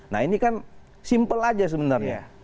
nah ini kan simpel aja sebenarnya